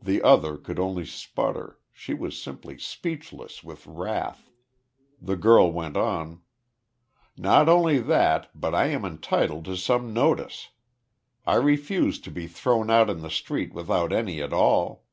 The other could only sputter, she was simply speechless with wrath. The girl went on: "Not only that, but I am entitled to some notice. I refuse to be thrown out in the street without any at all.